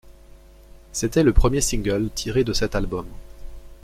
C'était le premier single tiré de cet album.